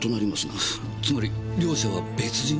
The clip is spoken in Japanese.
つまり両者は別人？